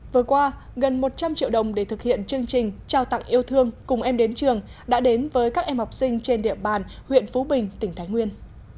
vừa qua gần một trăm linh triệu đồng để thực hiện chương trình trao tặng yêu thương cùng em đến trường đã đến với các em học sinh trên địa bàn huyện phú bình tỉnh thái nguyên